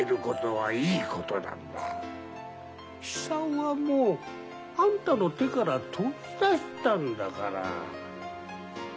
久男はもうあんたの手から飛び出したんだから。